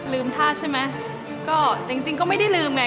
ลืมท่าใช่มั้ยก็จริงก็ไม่ได้ลืมไง